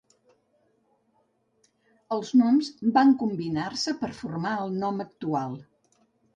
Els noms van combinar-se per formar el nom actual.